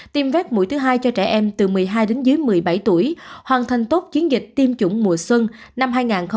tiêm vét mũi thứ hai cho trẻ em từ một mươi hai đến dưới một mươi bảy tuổi hoàn thành tốt chiến dịch tiêm chủng mùa xuân năm hai nghìn hai mươi